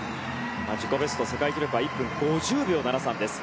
自己ベスト、世界記録は１分５０秒７３です。